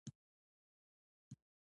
تاسو باید تاریخي کتابونه مطالعه کړئ.